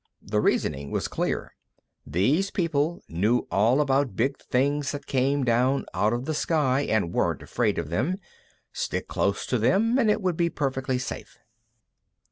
The reasoning was clear these people knew all about big things that came down out of the sky and weren't afraid of them; stick close to them, and it would be perfectly safe.